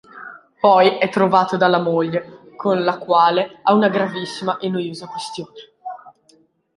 Poi è trovato dalla moglie con la quale ha una gravissima e noiosa questione.